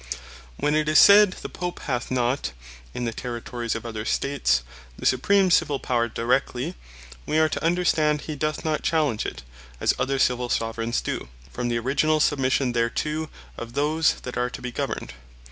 When it is said, the Pope hath not (in the Territories of other States) the Supreme Civill Power Directly; we are to understand, he doth not challenge it, as other Civill Soveraigns doe, from the originall submission thereto of those that are to be governed.